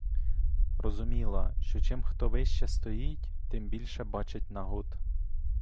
Розуміла, що чим хто вище стоїть, тим більше бачить нагод.